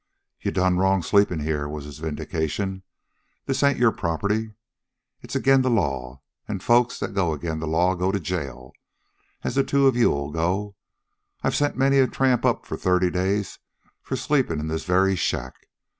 "You've done wrong sleepin' here," was his vindication. "This ain't your property. It's agin the law. An' folks that go agin the law go to jail, as the two of you'll go. I've sent many a tramp up for thirty days for sleepin' in this very shack.